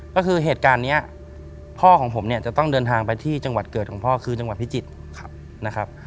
ก็คือเหตุการณ์นี้พ่อของผมเนี่ยจะต้องเดินทางไปที่จังหวัดเกิดของพ่อคือจังหวัดพิจิตรนะครับ